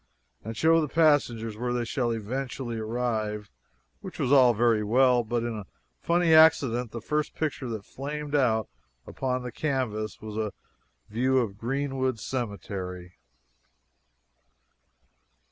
and show the passengers where they shall eventually arrive" which was all very well, but by a funny accident the first picture that flamed out upon the canvas was a view of Greenwood Cemetery!